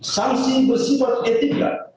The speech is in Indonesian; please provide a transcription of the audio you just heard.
satu sanksi bersifat etika